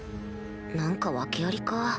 何か訳ありか？